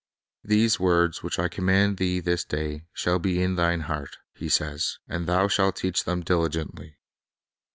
"These words, which I command thee this day, shall be in thine heart," He says; "and thou shalt teach them diligently."